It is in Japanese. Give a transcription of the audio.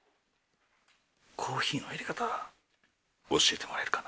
コーヒーの入れ方教えてもらえるかな？